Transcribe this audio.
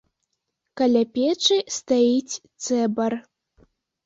Каля печы стаіць цэбар.